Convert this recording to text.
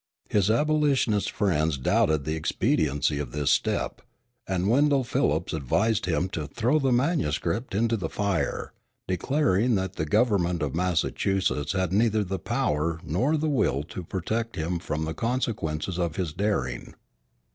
His abolitionist friends doubted the expediency of this step; and Wendell Phillips advised him to throw the manuscript into the fire, declaring that the government of Massachusetts had neither the power nor the will to protect him from the consequences of his daring.